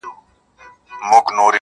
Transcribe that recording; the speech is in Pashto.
څو به زمان ګرځوي موجونه له بېړیو-